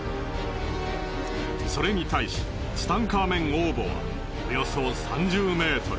それに対しツタンカーメン王墓はおよそ３０ｍ。